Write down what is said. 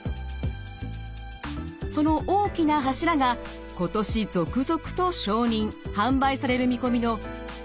その大きな柱が今年続々と承認販売される見込みの肥満症治療薬の登場です。